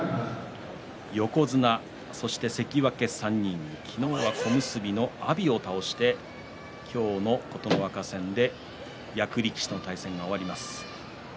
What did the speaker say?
横綱、そして関脇３人昨日は小結の阿炎を倒して今日の琴ノ若戦で役力士との対戦が終わります。